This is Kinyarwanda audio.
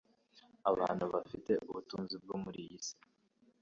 Abantu bafite ubutunzi bwo muri iyi si